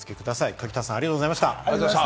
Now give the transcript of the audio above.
垣田さん、ありがとうございました。